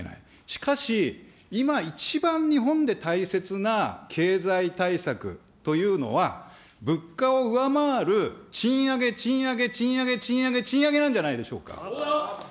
しかし、今一番、日本で大切な経済対策というのは、物価を上回る賃上げ、賃上げ、賃上げ、賃上げ、賃上げなんじゃないでしょうか。